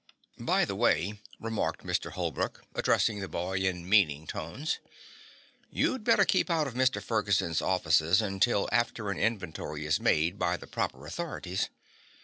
"By the way," remarked Mr. Holbrook, addressing the boy in meaning tones, "you'd better keep out of Mr. Ferguson's offices until after an inventory is made by the proper authorities.